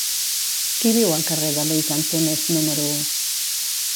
Qui viu al carrer de Luis Antúnez número u?